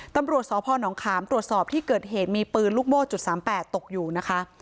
ตำรวจสพนขามตรวจสอบที่เกิดเหตุมีปืนลูกโม่จุด๓๘ตกอยู่นะคะ